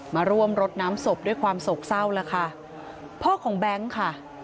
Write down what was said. มาร่วมรดน้ำศพด้วยความโศกเศร้าแล้วค่ะพ่อของแบงค์ค่ะ